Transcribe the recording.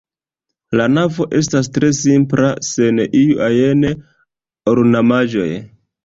La navo estas tre simpla sen iu ajn ornamaĵoj.